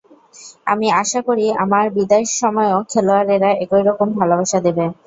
আমি আশা করি, আমার বিদায়ের সময়ও খেলোয়াড়েরা একই রকম ভালোবাসা দেবে।